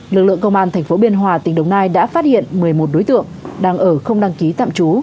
lực lượng công an tp biên hòa tỉnh đồng nai đã phát hiện một mươi một đối tượng đang ở không đăng ký tạm trú